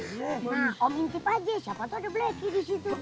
nah om intip aja siapa tuh ada blacky disitu